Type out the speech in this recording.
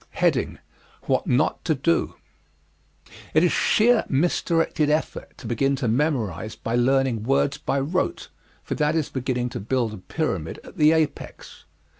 What Not to Do It is sheer misdirected effort to begin to memorize by learning words by rote, for that is beginning to build a pyramid at the apex.